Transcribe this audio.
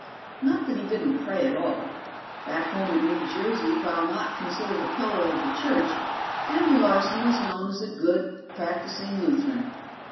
Not that he didn't pray at all; back home in New Jersey, while not considered a pillar of the church, Andy Larson was known as a good, practicing Lutheran.